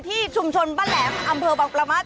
ที่ชุมชนบ้านแหลมอำเภอบังประมาท